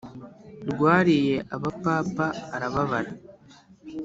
rwariye aba papa arababara